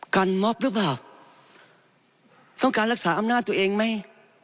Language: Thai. มอบหรือเปล่าต้องการรักษาอำนาจตัวเองไหม